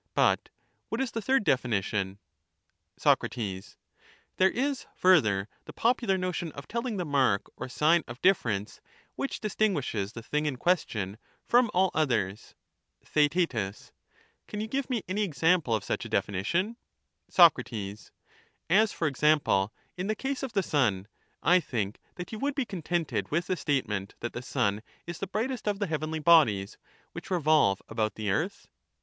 But what is the third definition ? Soc* There is, further, the popular notion of telling the (3)/rrae mark or sign of difference which distinguishes the thing in ^^^^\ question from all others. thing with Theaet Can you give me any example of such a defini ^^^/^^^"^ tion ? or sign of Soc. As, for example, in the case of the sun, I think that difference, you would be contented with the statement that the sun is the brightest of the heavenly bodies which revolve about the earth.